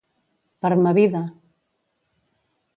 Per ma vida!